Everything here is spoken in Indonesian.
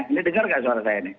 anda dengar nggak suara saya ini